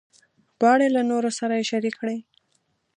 غواړي له نورو سره یې شریک کړي.